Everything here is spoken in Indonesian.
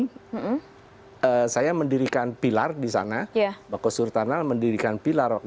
dan saya mendirikan pilar di sana bako surtanal mendirikan pilar